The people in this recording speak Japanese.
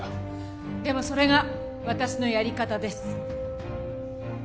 でもそれが私のやり方です。